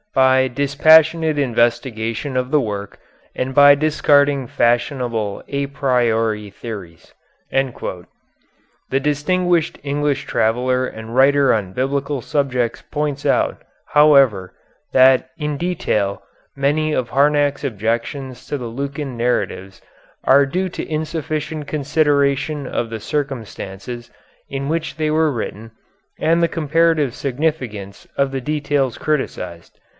by dispassionate investigation of the work and by discarding fashionable a priori theories." The distinguished English traveller and writer on biblical subjects points out, however, that in detail many of Harnack's objections to the Lukan narratives are due to insufficient consideration of the circumstances in which they were written and the comparative significance of the details criticised.